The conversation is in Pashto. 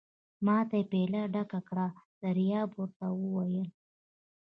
ما ته یې پياله ډکه کړه، دریاب ور ته وویل.